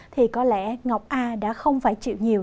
thì có lẽ ngọc a đã không phải chịu nhiều